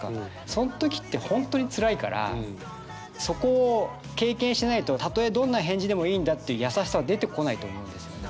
そん時って本当につらいからそこを経験しないと「たとえどんな返事でもいいんだ」っていう優しさは出てこないと思うんですよね。